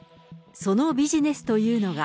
そのビジネスというのが。